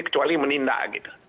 kecuali menindak gitu